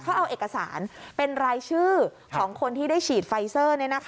เขาเอาเอกสารเป็นรายชื่อของคนที่ได้ฉีดไฟเซอร์